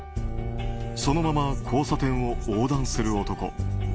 そのまま交差点を横断する男。